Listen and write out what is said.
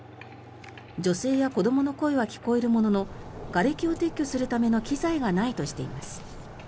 女性や子どもの声は聞こえるもののがれきを撤去するための機材がないとしています。